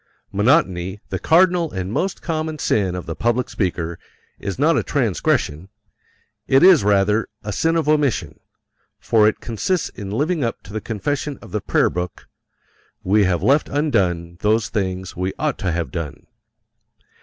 Monotony, the cardinal and most common sin of the public speaker, is not a transgression it is rather a sin of omission, for it consists in living up to the confession of the Prayer Book: "We have left undone those things we ought to have done."